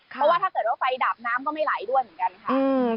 เพราะว่าถ้าเกิดว่าไฟดับน้ำก็ไม่ไหลด้วยเหมือนกันค่ะ